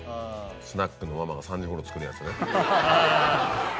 スナックのママが３時頃作るやつね。